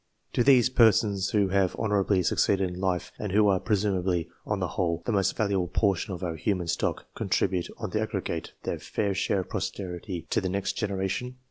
Do those persons who have honourably succeeded in life, and who are pre sumably, on the whole, the most valuable portion of our human stock, contribute on the aggregate their fair share of posterity to the next generation